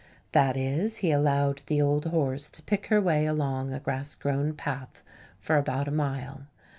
That is, he allowed the old horse to pick her way along a grass grown path for about a mile.